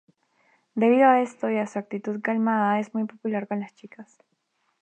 Debido a esto y a su actitud calmada es muy popular con las chicas.